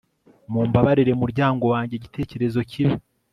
mumbabarire muryango wanjye, igitekerezo kibi